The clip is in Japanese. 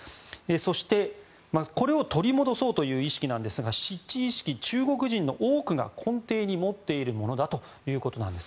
そして、これを取り戻そうという意識なんですが失地意識、中国人の多くが根底に持っているものだということです。